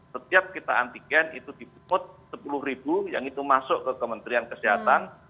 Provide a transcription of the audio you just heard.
setiap kita antigen itu dipungut sepuluh ribu yang itu masuk ke kementerian kesehatan